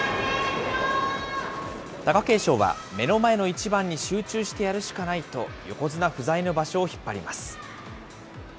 貴景勝は、目の前の一番に集中してやるしかないと、横綱不在の場所を引っ張ります。